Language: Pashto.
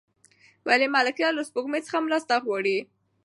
ولې ملکیار له سپوږمۍ څخه مرسته غواړي؟